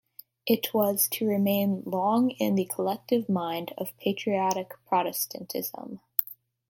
It was to remain long in the collective mind of patriotic Protestantism.